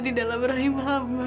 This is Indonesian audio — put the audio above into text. di dalam rahim hamba